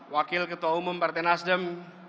wakil ketua umum partai nasdem